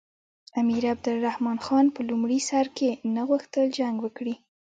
امیر عبدالرحمن خان په لومړي سر کې نه غوښتل جنګ وکړي.